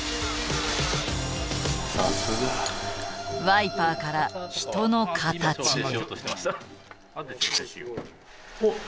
ワイパーから人の形へ。